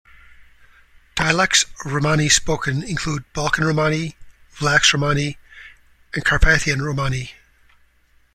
Dialects of Romani spoken include Balkan Romani, Vlax Romani, and Carpathian Romani.